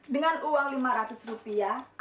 dengan uang lima ratus rupiah